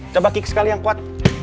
coba kick sekali yang kuat